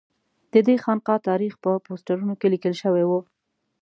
ددې خانقا تاریخ په پوسټرونو کې لیکل شوی و.